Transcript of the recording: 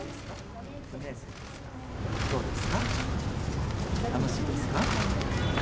どうですか、楽しいですか。